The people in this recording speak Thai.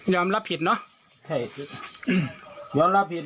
ยอมรับผิดมั้ย